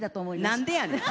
何でやねん。